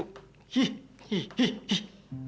hih hih hih hih